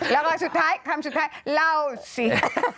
แล้วก็คำสุดท้ายเล่าซี